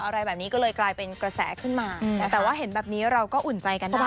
อะไรแบบนี้ก็เลยกลายเป็นกระแสขึ้นมาแต่ว่าเห็นแบบนี้เราก็อุ่นใจกันได้